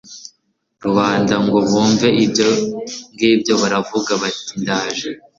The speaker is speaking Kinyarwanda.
rubanda ngo bumve ibyo ngibyo baravuga bati ndaje